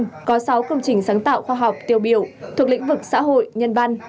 đặc biệt có sáu công trình sáng tạo khoa học tiêu biểu thuộc lĩnh vực xã hội nhân văn